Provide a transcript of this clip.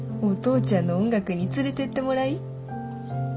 お父ちゃんの音楽に連れてってもらい。